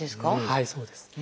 はいそうです。